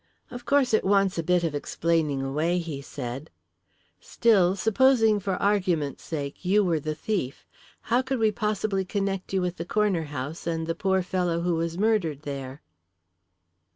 "Of course, it wants a bit of explaining away," he said. "Still, supposing for argument sake you were the thief, how could we possibly connect you with the corner house and the poor fellow who was murdered there?"